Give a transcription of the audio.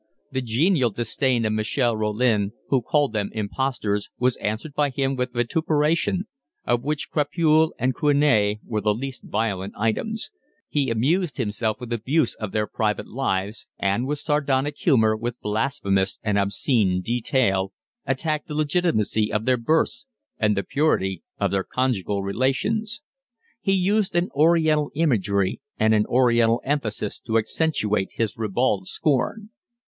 The genial disdain of Michel Rollin, who called them impostors, was answered by him with vituperation, of which crapule and canaille were the least violent items; he amused himself with abuse of their private lives, and with sardonic humour, with blasphemous and obscene detail, attacked the legitimacy of their births and the purity of their conjugal relations: he used an Oriental imagery and an Oriental emphasis to accentuate his ribald scorn.